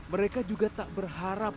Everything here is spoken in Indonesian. mereka juga tak berharap